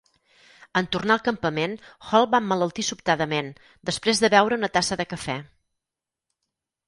En tornar al campament Hall va emmalaltir sobtadament, després de beure una tassa de cafè.